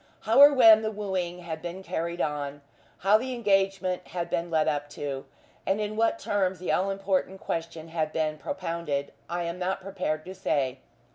How or when the wooing had been carried on, how the engagement had been led up to, and in what terms the all important question had been propounded, I am not prepared to say.